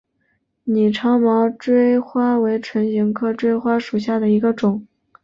拟长毛锥花为唇形科锥花属下的一个种。